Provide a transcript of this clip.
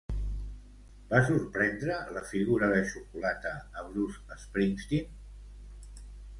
Va sorprendre la figura de xocolata a Bruce Springsteen?